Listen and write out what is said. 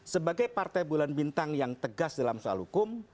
sebagai partai bulan bintang yang tegas dalam soal hukum